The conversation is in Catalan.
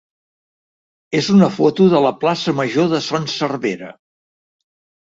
és una foto de la plaça major de Son Servera.